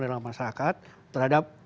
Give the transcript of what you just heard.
dalam masyarakat terhadap